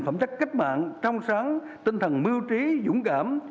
phẩm chất cách mạng trong sáng tinh thần mưu trí dũng cảm